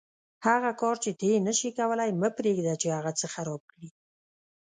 هغه کار چې ته یې نشې کولای مه پرېږده چې هغه څه خراب کړي.